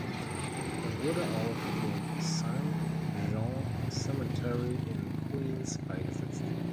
Er wurde auf dem Saint John Cemetery in Queens beigesetzt.